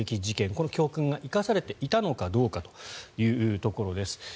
この教訓が生かされていたのかどうかというところです。